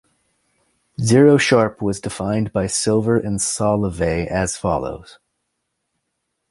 Zero sharp was defined by Silver and Solovay as follows.